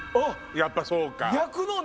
やっぱそうか。